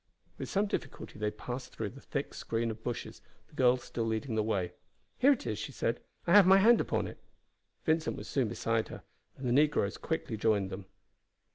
With some difficulty they passed through the thick screen of bushes, the girl still leading the way. "Here it is," she said; "I have my hand upon it." Vincent was soon beside her, and the negroes quickly joined them.